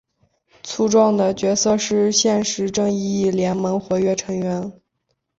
粗体的角色是现时正义联盟活跃成员。